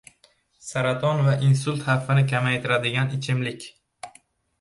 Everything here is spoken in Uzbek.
Saraton va insult xavfini kamaytiradigan ichimlik